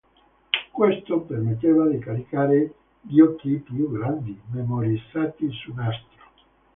Questo permetteva di caricare giochi più grandi, memorizzati su nastro.